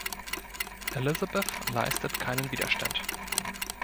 Elizabeth leistet keinen Widerstand.